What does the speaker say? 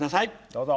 どうぞ。